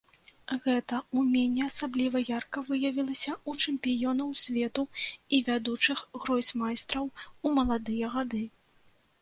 Гэта ўменне асабліва ярка выявілася ў чэмпіёнаў свету і вядучых гросмайстраў у маладыя гады.